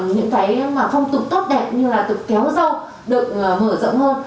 những cái phong tục tốt đẹp như là tục kéo dâu được mở rộng hơn